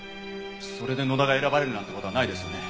それで野田が選ばれるなんて事はないですよね？